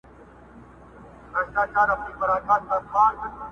خو د ښکار یې په هیڅ وخت کي نسته ګټه!